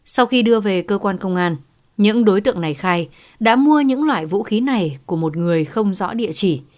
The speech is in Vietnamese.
sau khi đưa về cơ quan công an những đối tượng này khai đã mua những loại vũ khí này của một người không rõ địa chỉ